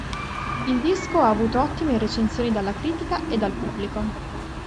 Il disco ha avuto ottime recensioni dalla critica e dal pubblico.